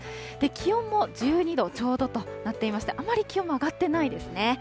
気温も１２度ちょうどとなっていまして、あまり気温が上がっていないですね。